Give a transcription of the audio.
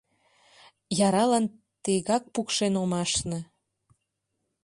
Яралан тегак пукшен ом ашне!